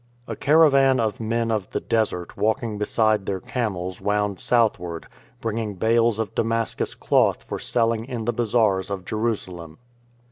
A caravan of Men of the Desert walking beside their camels wound southward, bringing bales of Damascus cloth for selling in the bazaars of Jerusalem.